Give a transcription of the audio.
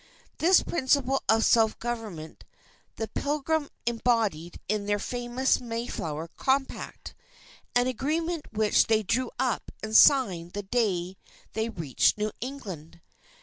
This principle of self government, the Pilgrims embodied in the famous Mayflower Compact, an agreement which they drew up and signed the day they reached New England.